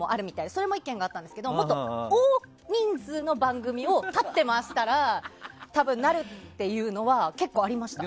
それも意見があったんですけどもっと大人数の番組を立って回したら多分なるっていうのは結構ありました。